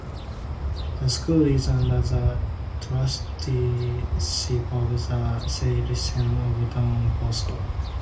The school is under the Trusteeship of the Salesians of Don Bosco.